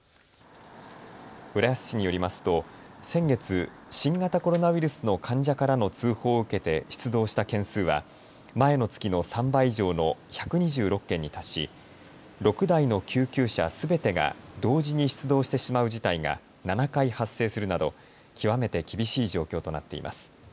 浦安市によりますと先月、新型コロナウイルスの患者からの通報を受けて出動した件数は前の月の３倍以上の１２６件に達し、６台の救急車すべてが同時に出動してしまう事態が７回発生するなど極めて厳しい状況となっています。